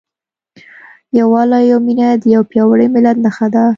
یووالی او مینه د یو پیاوړي ملت نښه ده.